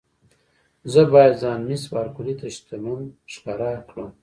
زه باید ځان مېس بارکلي ته شتمن ښکاره کړم.